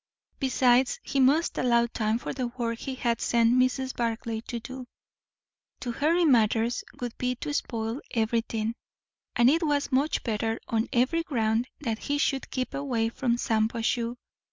Besides, he must allow time for the work he had sent Mrs. Barclay to do; to hurry matters would be to spoil everything; and it was much better on every ground that he should keep away from Shampuashuh.